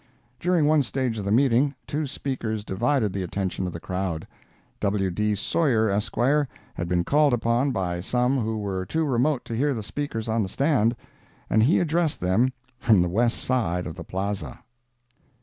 During one stage of the meeting, two speakers divided the attention of the crowd. W. D. Sawyer, Esq., had been called upon by some who were too remote to hear the speakers on the stand, and he addressed them from the west side of the Plaza.